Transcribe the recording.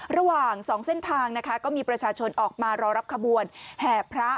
ระหว่าง๒เส้นทางนะคะก็มีประชาชนออกมารอรับขบวนแห่พระ